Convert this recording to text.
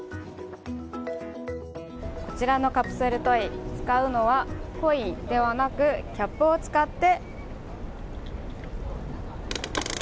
こちらのカプセルトイ使うのはコインではなくキャップを使って。